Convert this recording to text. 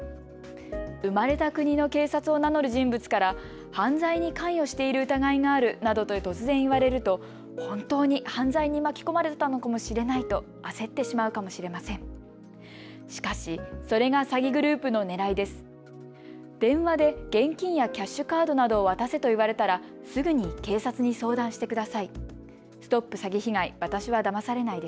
生まれた国の警察を名乗る人物から犯罪に関与している疑いがあるなどと突然、言われると本当に犯罪に巻き込まれたのかもしれないと焦ってしまうかもしれません。